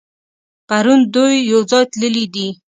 پرون دوی يوځای تللي دي.